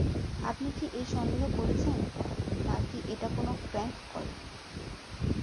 আপনি কী এই সন্দেহ করেছেন না কী এটা কোন ক্র্যাঙ্ক কল?